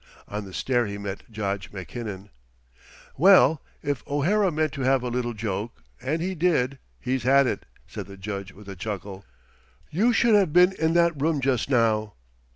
On the stair he met Judge Mackinnon. "Well, if O'Hara meant to have a little joke and he did he's had it," said the Judge with a chuckle. "You should have been in that room just now.